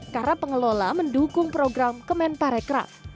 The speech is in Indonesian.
karena pengelola mendukung program kemenparekraf